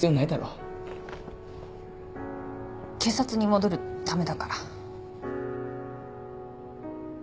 警察に戻るためだから。